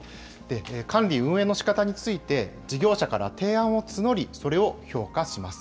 管理・運営のしかたについて、事業者から提案を募り、それを評価します。